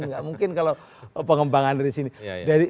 nggak mungkin kalau pengembangan dari sini